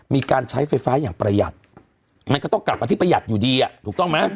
มีการใช้ไฟฟ้าอย่างประหยัดมันก็ต้องกลับมาที่ประหยัดอยู่ดีอ่ะถูกต้องไหม